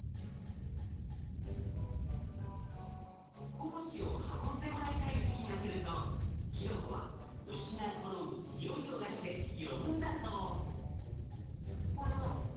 胞子を運んでもらいたい時期が来るとキノコは虫が好む匂いを出して呼ぶんだそう。